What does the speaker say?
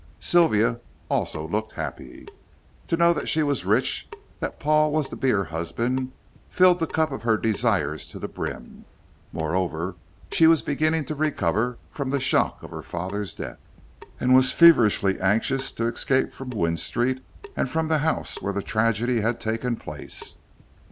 Sylvia also looked happy. To know that she was rich, that Paul was to be her husband, filled the cup of her desires to the brim. Moreover, she was beginning to recover from the shock of her father's death, and was feverishly anxious to escape from Gwynne Street, and from the house where the tragedy had taken place.